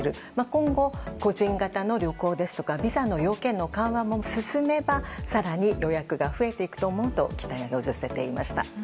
今後、個人型の旅行やビザの要件の緩和も進めば更に予約が増えていくと思うと期待を寄せていました。